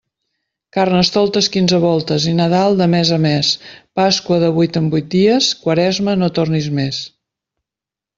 Carnestoltes quinze voltes i Nadal de mes a mes, Pasqua de vuit en vuit dies; Quaresma, no tornis més.